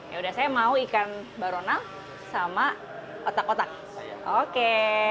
ya udah saya mau ikan barona sama otak otak oke